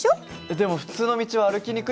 でも普通の道は歩きにくいと思うよ。